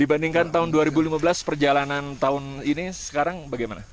dibandingkan tahun dua ribu lima belas perjalanan tahun ini sekarang bagaimana